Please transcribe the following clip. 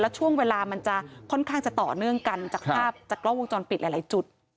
ช่วงเวลามันจะค่อนข้างจะต่อเนื่องกันจากภาพจากกล้องวงจรปิดหลายจุด